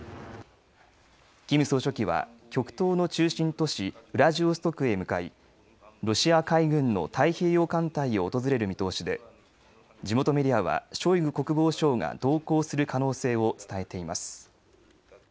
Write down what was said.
キム総書記は極東の中心都市ウラジオストクへ向かいロシア海軍の太平洋艦隊を訪れる見通しで、地元メディアはショイグ国防相が同行する可能性を伝えています。